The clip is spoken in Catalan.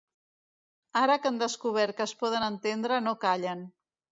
Ara que han descobert que es poden entendre no callen.